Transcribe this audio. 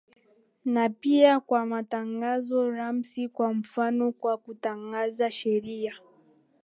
na pia kwa matangazo rasmi kwa mfano kwa kutangaza sheria